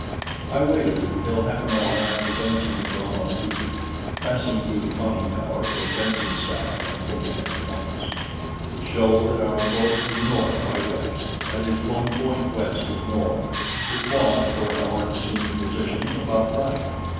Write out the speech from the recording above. I waited until half an hour after Benson had gone on duty, and then I went on deck, passing through the conning tower where Benson sat, and looking at the compass. It showed that our course was north by west that is, one point west of north, which was, for our assumed position, about right.